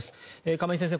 亀井先生